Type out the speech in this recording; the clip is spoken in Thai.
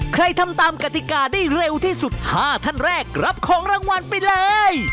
ใครทำตามกติกาได้เร็วที่สุด๕ท่านแรกรับของรางวัลไปเลย